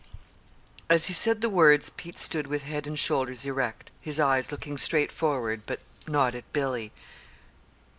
As he said the words, Pete stood with head and shoulders erect, his eyes looking straight forward but not at Billy.